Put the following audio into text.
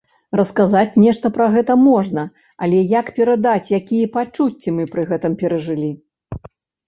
Расказаць нешта пра гэта можна, але як перадаць, якія пачуцці мы пры гэтым перажылі?